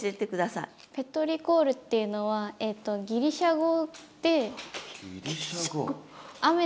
ペトリコールっていうのはギリシャ語。